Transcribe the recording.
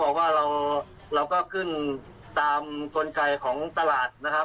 แต่ว่าเราก็บอกลูกค้าว่าเราจะไม่ขึ้นไปสูงยิ่งกว่านี้แล้วนะครับ